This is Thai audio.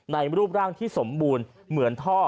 รูปร่างที่สมบูรณ์เหมือนท่อ